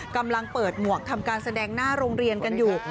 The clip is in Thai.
กำลังเปิดหมวกทำการแสดงหน้าโรงเรียนกันอยู่